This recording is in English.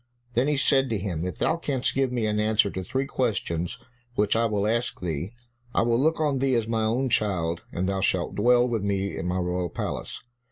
Then he said to him, "If thou canst give me an answer to three questions which I will ask thee, I will look on thee as my own child, and thou shalt dwell with me in my royal palace."